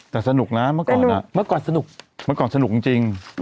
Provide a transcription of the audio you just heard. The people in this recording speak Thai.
แต่สนุกนะเมื่อก่อนสนุกจริง